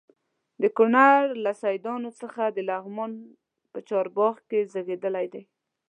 د کونړ له سیدانو څخه و د لغمان په چارباغ کې زیږېدلی دی.